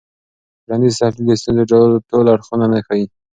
ټولنیز تحلیل د ستونزو ټول اړخونه نه ښيي.